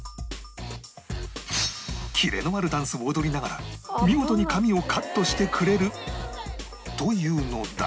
キレのあるダンスを踊りながら見事に髪をカットしてくれるというのだが